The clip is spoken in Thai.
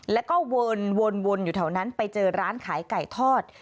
แล้วก็วนอยู่แถวนั้นไปเจอร้านขายไก่ทอด